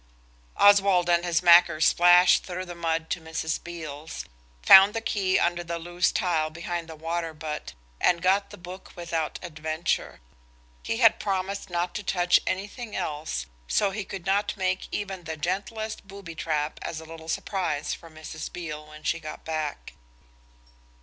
"I SAY, BEALIE DEAR, YOU'VE GOT A BOOK UP AT YOUR PLACE." Oswald in his macker splashed through the mud to Mrs. Beale's, found the key under the loose tile behind the water butt, and got the book without adventure. He had promised not to touch anything else, so he could not make even the gentlest booby trap as a little surprise for Mrs. Beale when she got back.